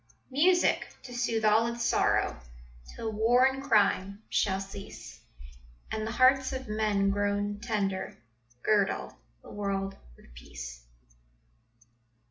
Music to soothe all its sorrow, Till war and crime shall cease; And the hearts of men grown tender Girdle the world with peace.